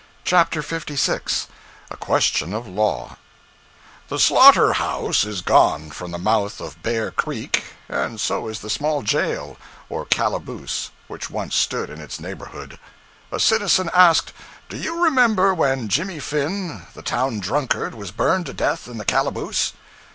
CHAPTER 56 A Question of Law THE slaughter house is gone from the mouth of Bear Creek and so is the small jail (or 'calaboose') which once stood in its neighborhood. A citizen asked, 'Do you remember when Jimmy Finn, the town drunkard, was burned to death in the calaboose?'